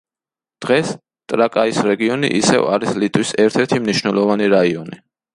დღეს ტრაკაის რეგიონი ისევ არის ლიტვის ერთ-ერთი მნიშვნელოვანი რაიონი.